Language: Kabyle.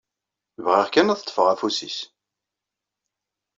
Bɣiɣ kan ad ṭṭfeɣ afus-is.